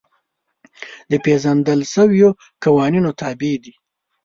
د پېژندل شویو قوانینو تابع دي.